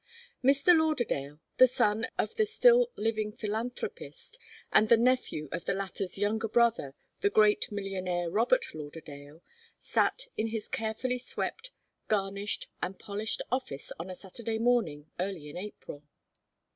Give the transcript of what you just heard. Mr. Lauderdale, the son of the still living philanthropist, and the nephew of the latter's younger brother, the great millionaire, Robert Lauderdale, sat in his carefully swept, garnished and polished office on a Saturday morning early in April.